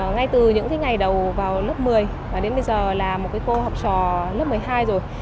ngay từ những ngày đầu vào lớp một mươi đến bây giờ là một cô học trò lớp một mươi hai rồi